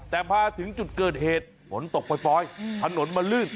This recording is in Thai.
แต่พอถึงจุดเกิดเหตุฝนตกปล่อยถนนมันลื่น